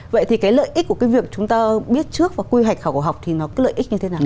vậy thì cái lợi ích của cái việc chúng ta biết trước và quy hoạch khảo cổ học thì nó có lợi ích như thế nào